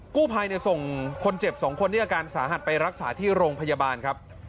กู้ภัยส่งคนเจ็บ๒คนที่อาการสาหัสไปรักษาที่โรงพยาบาลครับ